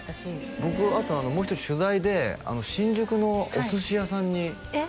僕あともう一人取材で新宿のお寿司屋さんにえっ？